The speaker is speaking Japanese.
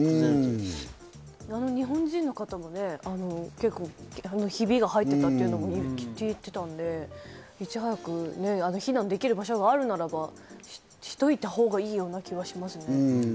日本人の方もヒビが入っていたと言っていたんで、いち早く避難できる場所があるならば、しといたほうがいい気がしますよね。